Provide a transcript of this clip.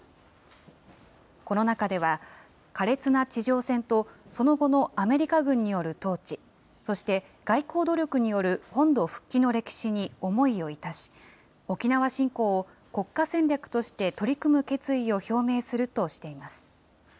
この中では、苛烈な地上戦と、その後のアメリカ軍による統治、そして外交努力による本土復帰の歴史に思いをいたし、沖縄振興を国家戦略として取り組む決意を表明するとしています。